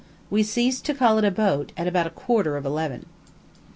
We ceased to call it a boat at about a quarter of eleven.